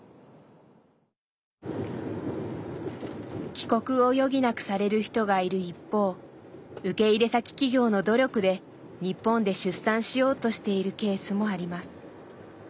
帰国を余儀なくされる人がいる一方受け入れ先企業の努力で日本で出産しようとしているケースもあります。